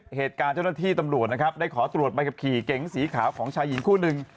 เหตุการณ์เจ้าหน้าที่ตำรวจนะครับได้ขอตรวจใบขับขี่เก๋งสีขาวของชายหญิงคู่หนึ่ง